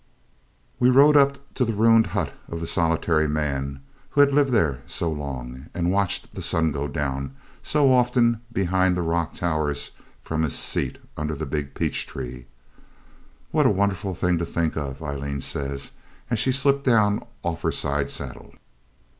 We rode up to the ruined hut of the solitary man who had lived there so long, and watched the sun go down so often behind the rock towers from his seat under the big peach tree. 'What a wonderful thing to think of!' Aileen says, as she slipped down off her side saddle.